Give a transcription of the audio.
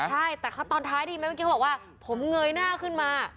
ใช่แต่ตอนท้ายดีไหมเมื่อกี้เขาบอกว่าผมเงยหน้าขึ้นมา